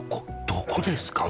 どこですか？